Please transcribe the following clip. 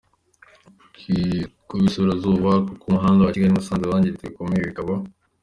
kiburasirazuba, kuko umuhanda wa Kigali-Musanze wangiritse bikomeye bikaba.